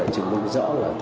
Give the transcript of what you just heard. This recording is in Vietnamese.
chứng minh rõ là